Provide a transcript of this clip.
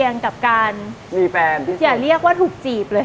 อย่าเรียกว่าถูกจีบเลย